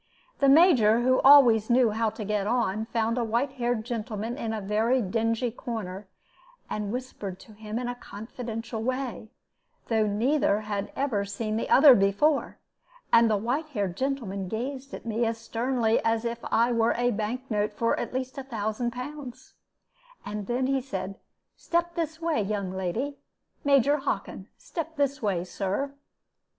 The Major, who always knew how to get on, found a white haired gentleman in a very dingy corner, and whispered to him in a confidential way, though neither had ever seen the other before, and the white haired gentleman gazed at me as sternly as if I were a bank note for at least a thousand pounds; and then he said, "Step this way, young lady. Major Hockin, step this way, Sir."